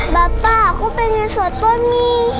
bapak aku pengen sholat tomi